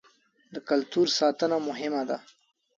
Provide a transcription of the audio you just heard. د کلتور ساتنه مهمه ده.